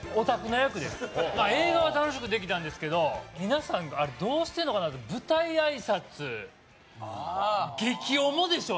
映画は楽しくできたんですけど皆さんあれどうしてるのかなとああ激重でしょう？